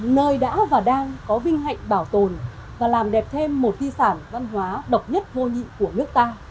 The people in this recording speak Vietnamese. nơi đã và đang có vinh hạnh bảo tồn và làm đẹp thêm một di sản văn hóa độc nhất vô nhị của nước ta